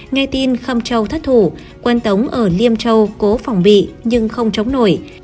nghe tin khâm châu thất thủ quân tống ở liêm châu cố phòng bị nhưng không chống nổi